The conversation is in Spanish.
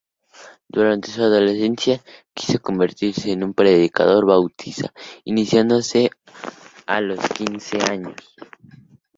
Durante su adolescencia, quiso convertirse en un predicador bautista, iniciándose a los quince años.